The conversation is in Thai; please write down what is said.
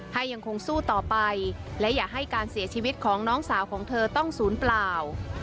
ยังคงสู้ต่อไปและอย่าให้การเสียชีวิตของน้องสาวของเธอต้องศูนย์เปล่า